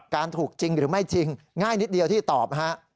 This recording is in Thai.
การถูกจริงหรือไม่จริงง่ายนิดเดียวที่ตอบฮะ